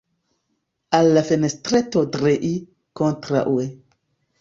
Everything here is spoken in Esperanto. Al la fenestreto drei, kontraŭe.